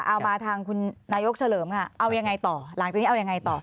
เอามาทางคุณนายกเฉลิมเอายังไงต่อ